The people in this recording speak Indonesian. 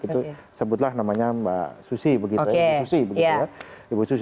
itu sebutlah mbak susi